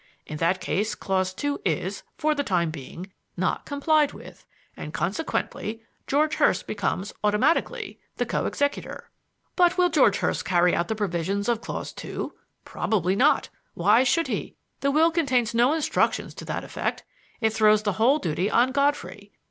In that case clause two is for the time being not complied with, and consequently George Hurst becomes, automatically, the co executor. "But will George Hurst carry out the provisions of clause two? Probably not. Why should he? The will contains no instructions to that effect. It throws the whole duty on Godfrey.